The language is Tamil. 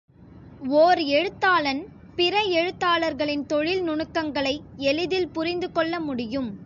ஓர் எழுத்தாளன் பிற எழுத்தாளர்களின் தொழில் நுணுக்கங்களை எளிதில் புரிந்துகொள்ள முடியும்.